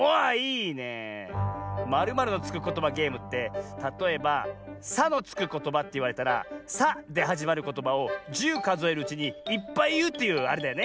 ことばゲームってたとえば「さ」のつくことばっていわれたら「さ」ではじまることばを１０かぞえるうちにいっぱいいうというあれだよね？